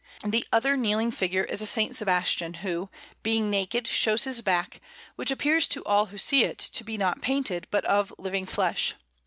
The other kneeling figure is a S. Sebastian, who, being naked, shows his back, which appears to all who see it to be not painted, but of living flesh.